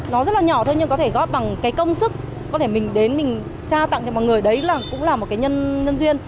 nó rất là nhỏ thôi nhưng có thể góp bằng cái công sức có thể mình đến mình tra tặng cho mọi người đấy là cũng là một cái nhân duyên